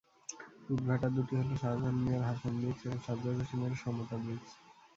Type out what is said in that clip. ইটভাটা দুটি হলো শাহজাহান মিয়ার হাসান ব্রিকস এবং সাজ্জাদ হোসেনের সমতা ব্রিকস।